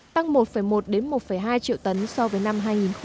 tăng một một một hai triệu tấn so với năm hai nghìn một mươi sáu